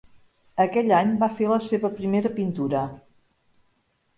Aquell any va fer la seva primera pintura.